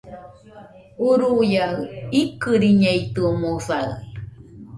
Uruia, ikɨriñeitɨomoɨsa